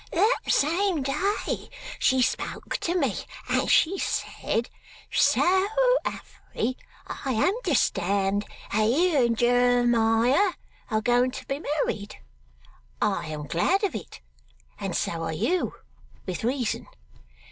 That same day she spoke to me, and she said, "So, Affery, I understand that you and Jeremiah are going to be married. I am glad of it, and so are you, with reason.